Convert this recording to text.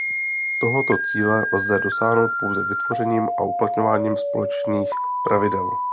Tohoto cíle lze dosáhnout pouze vytvořením a uplatňováním společných pravidel.